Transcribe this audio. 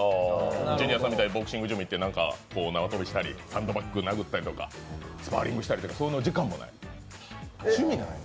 ジュニアさんみたいにボクシングジムに行ってなんか縄跳びしたりサンドバッグ殴ったりとかスパーリングしたりそういう時間もない。